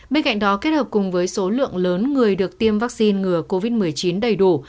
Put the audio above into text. bên cạnh đó kết hợp cùng với số lượng lớn người được tiêm vaccine ngừa covid một mươi chín đầy đủ